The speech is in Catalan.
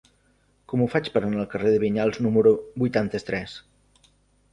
Com ho faig per anar al carrer de Vinyals número vuitanta-tres?